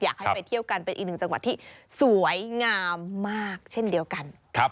อยากให้ไปเที่ยวกันเป็นอีกหนึ่งจังหวัดที่สวยงามมากเช่นเดียวกัน